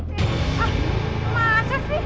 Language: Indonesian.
hah masa sih